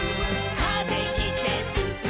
「風切ってすすもう」